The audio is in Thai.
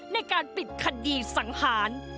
ในการปิดคดีสังหาร